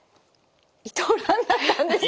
伊藤蘭だったんですね！